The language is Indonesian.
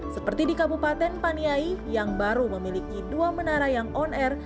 seperti di kabupaten paniai yang baru memiliki dua menara yang on air